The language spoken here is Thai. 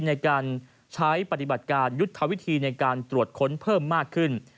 ในการใช้ปฏิบัติการยุทธวิธีในการตรวจค้นเพิ่มมากขึ้น